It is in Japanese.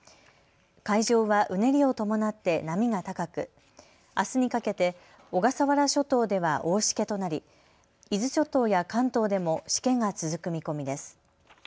海上はうねりを伴って波が高くあすにかけて小笠原諸島では大しけとなり伊豆諸島や関東でもしけが続く見込みです。